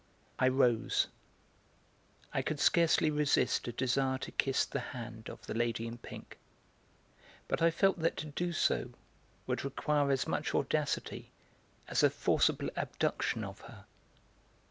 I rose; I could scarcely resist a desire to kiss the hand of the lady in pink, but I felt that to do so would require as much audacity as a forcible abduction of her.